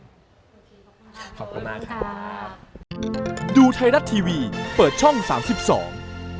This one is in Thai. โอเคขอบคุณมากขอบคุณมาก